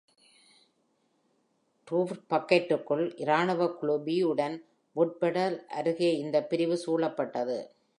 ருஹ்ர் பாக்கெட்டுக்குள் இராணுவக் குழு B உடன் வுப்பர்டல் அருகே இந்த பிரிவு சூழப்பட்டது.